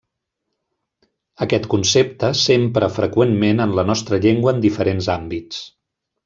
Aquest concepte s'empra freqüentment en la nostra llengua en diferents àmbits.